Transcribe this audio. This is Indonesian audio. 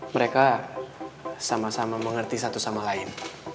mereka sama sama mengerti satu sama lain